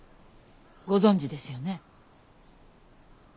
ご存じですよね？